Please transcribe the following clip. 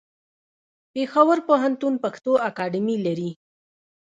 پېښور پوهنتون پښتو اکاډمي لري.